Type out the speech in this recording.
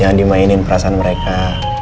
jangan dimainin perasaan mereka